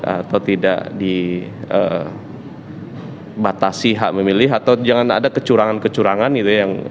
atau tidak dibatasi hak memilih atau jangan ada kecurangan kecurangan gitu ya